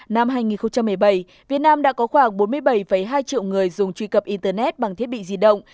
năm hai nghìn một mươi bảy việt nam đã có khoảng bốn mươi bảy hai triệu người dùng truy cập internet bằng thiết bị di động